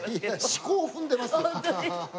四股を踏んでますよ。